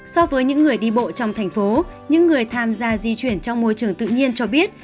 so với những người đi bộ trong thành phố những người tham gia di chuyển trong môi trường tự nhiên cho biết